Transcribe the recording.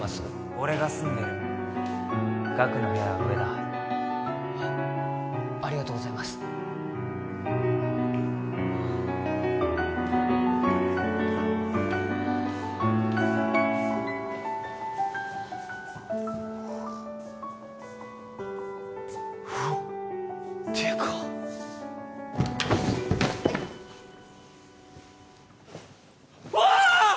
俺が住んでる岳の部屋は上だあっありがとうございますおうわっでかっあっうわ！